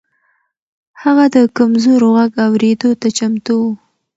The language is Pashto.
هغه د کمزورو غږ اورېدو ته چمتو و.